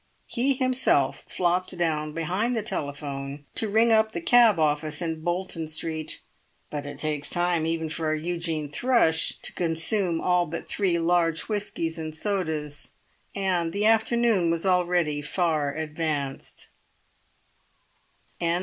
He himself flopped down behind the telephone to ring up the cab office in Bolton Street. But it takes time even for a Eugene Thrush to consume all but three large whiskies and sodas; and the afternoon was already far advanced.